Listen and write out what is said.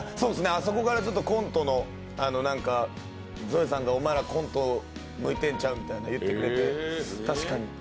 そこからコントのゾエさんが、お前らコント向いてるんちゃう？って言ってくれて、確かに。